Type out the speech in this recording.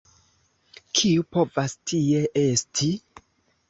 kiu povas tie esti?